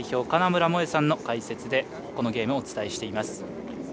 金村萌絵さんの解説でこのゲームをお伝えしています。